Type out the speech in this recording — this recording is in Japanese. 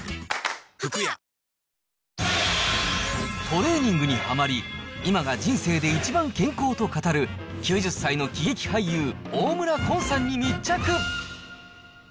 トレーニングにはまり、今が人生で一番健康と語る、９０歳の喜劇俳優、大村崑さんに密着。